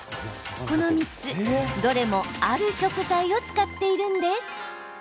この３つ、どれもある食材を使っているんです。